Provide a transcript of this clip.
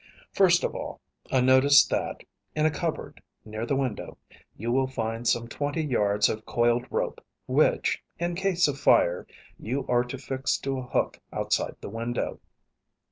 First of all, a notice that, in a cupboard near the window, you will find some twenty yards of coiled rope which, in case of fire, you are to fix to a hook outside the window.